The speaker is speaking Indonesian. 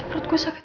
perut gue sakit